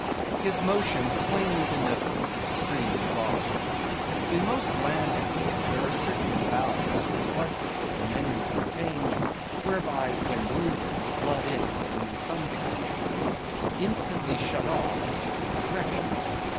His motions plainly denoted his extreme exhaustion. In most land animals there are certain valves or flood gates in many of their veins, whereby when wounded, the blood is in some degree at least instantly shut off in certain directions.